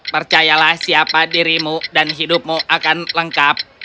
percayalah siapa dirimu dan hidupmu akan lengkap